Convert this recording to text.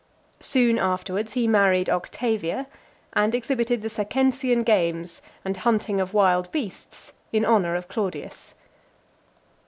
Soon afterwards, he married Octavia, and exhibited the Circensian games, and hunting of wild beasts, in honour of Claudius.